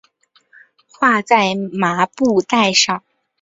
画在麻布袋上